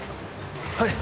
はい！